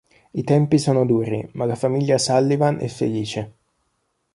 I tempi sono duri ma la famiglia Sullivan è felice.